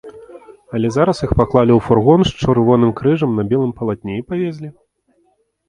Але зараз іх паклалі ў фургон з чырвоным крыжам на белым палатне і павезлі.